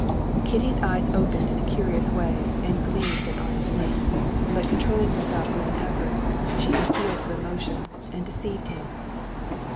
Kitty's eyes opened in a curious way and gleamed at Anna's name, but controlling herself with an effort, she concealed her emotion and deceived him.